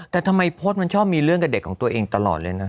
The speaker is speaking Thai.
แต่ทำไมโพสต์มันชอบมีเรื่องกับเด็กของตัวเองตลอดเลยนะ